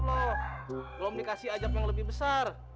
belum dikasih ajab yang lebih besar